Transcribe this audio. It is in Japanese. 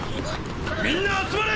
みんな集まれ！